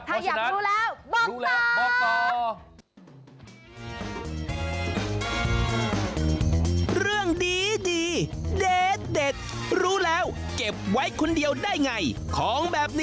ถ้าอยากรู้แล้วบอกเลย